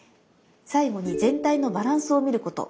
最後に全体のバランスを見ること。